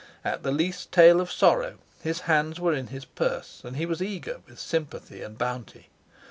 At the least tale of sorrow, his hands were in his purse, and he was eager with sympathy and bounty.